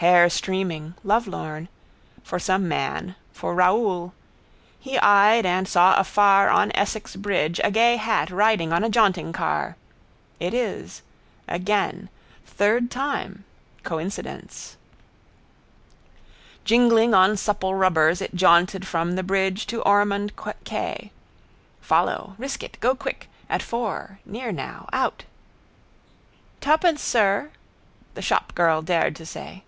Hair streaming: lovelorn. For some man. For Raoul. He eyed and saw afar on Essex bridge a gay hat riding on a jaunting car. It is. Again. Third time. Coincidence. Jingling on supple rubbers it jaunted from the bridge to Ormond quay. Follow. Risk it. Go quick. At four. Near now. Out. —Twopence, sir, the shopgirl dared to say.